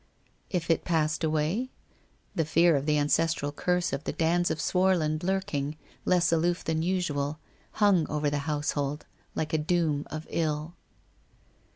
If it passed away? The fear of the ancestral curse of the Dands of Swarland lurking, less aloof than usual, hung over the household like a doom of ill.